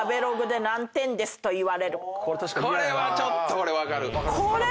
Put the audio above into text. これはちょっと俺分かる。